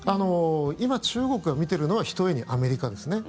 今、中国が見てるのはひとえにアメリカですね。